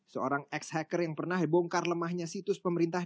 seorang ex hacker yang pernah dibongkar lemahnya situs pemerintah